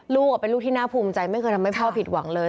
ลูกเป็นลูกที่น่าภูมิใจไม่เคยทำให้พ่อผิดหวังเลย